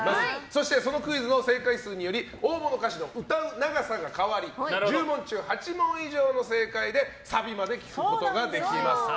そしてそのクイズの正解数により大物歌手の歌う長さが変わり１０問中８問以上の正解でサビまで聴くことができます。